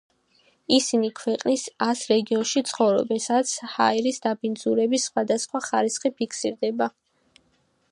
ისინი ქვეყნის ას რეგიონში ცხოვრობენ, სადაც ჰაერის დაბინძურების სხვადასხვა ხარისხი ფიქსირდება.